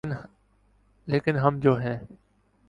‘ لیکن ہم جو ہیں۔